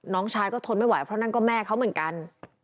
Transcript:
น้องชายก็ทนไม่ไหวเพราะนั่นก็แม่เขาเหมือนกัน